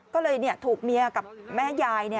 ก็เลยถูกเมียกับแม่ยาย